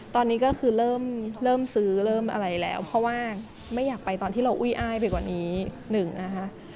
ตอนนี้ก็คือเริ่มซื้อเพราะว่าไม่อยากไปตอนที่เราอุ้ยอ้ายไปกว่านี้นี่